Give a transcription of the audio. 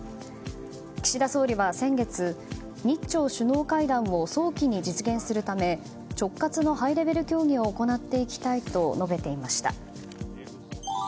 岸田総理は先月、日朝首脳会談を早期に実現するため直轄のハイレベル協議を行っていきたいと述べていました。